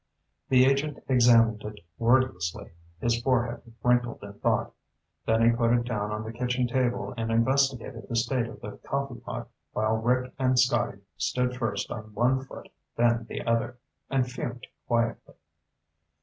The agent examined it wordlessly, his forehead wrinkled in thought. Then he put it down on the kitchen table and investigated the state of the coffeepot while Rick and Scotty stood first on one foot, then the other, and fumed quietly.